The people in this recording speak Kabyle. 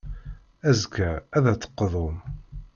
Azekka, ad d-teqḍum.